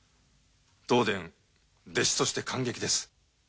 道伝弟子として感激です。